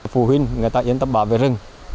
phụ huynh người ta yên tâm bảo vệ rừng